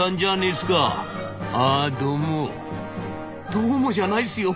「どうもじゃないですよ。